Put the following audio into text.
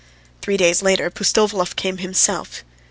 Three days later Pustovalov came himself.